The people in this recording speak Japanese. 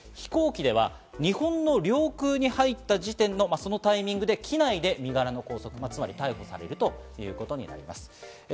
海外から日本に移送される場合、飛行機では日本の領空に入った時点のそのタイミングで機内で身柄の拘束、つまり逮捕されるということになります。